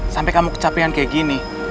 sampai kamu kecapian kayak gini